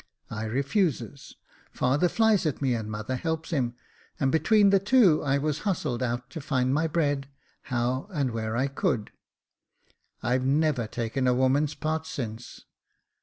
I refuses : father flies at me, and mother helps him ; and between the two I was hustled out to find my bread how and where I could. I've never taken a woman's part since.